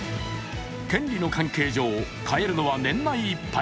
権利の関係上、買えるのは年内いっぱい。